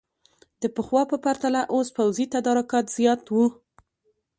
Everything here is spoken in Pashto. د پخوا په پرتله اوس پوځي تدارکات زیات وو.